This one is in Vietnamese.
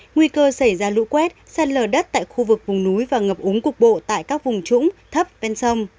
nguy cơ xảy ra lũ quét xét lờ đất tại khu vực vùng núi và ngập úng cục bộ tại các vùng trũng thấp bên sông